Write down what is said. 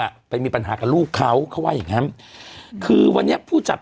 ไปมีปัญหากับลูกเขาเขาว่าอย่างงั้นคือวันนี้ผู้จัด